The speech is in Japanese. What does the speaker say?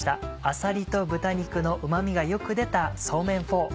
あさりと豚肉のうま味が良く出たそうめんフォー。